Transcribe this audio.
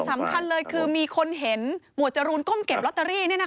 แต่สำคัญเลยคือมีคนเห็นหมวดจรูนก้มเก็บลอตเตอรี่เนี่ยนะคะ